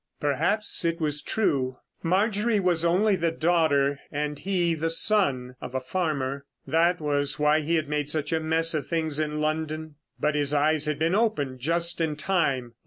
Perhaps it was true. Marjorie was only the daughter and he the son of a farmer. That was why he had made such a mess of things in London. But his eyes had been opened just in time.